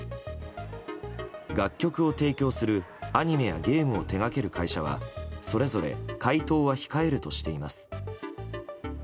楽曲を提供するアニメやゲームを手掛ける会社はそれぞれ回答は控えるとしています。